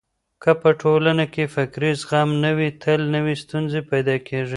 که په ټولنه کي فکري زغم نه وي تل نوې ستونزې پيدا کېږي.